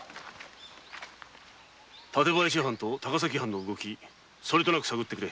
館林藩と高崎藩の動きそれとなく探ってくれ。